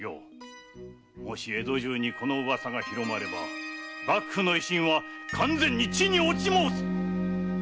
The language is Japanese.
もし江戸中にこの噂が広まれば幕府の威信は完全に地に堕ち申す！